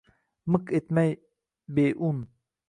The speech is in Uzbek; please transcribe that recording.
Miq etmay, beun.